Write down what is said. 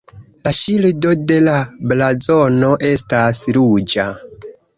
La ŝildo de la blazono estas ruĝa.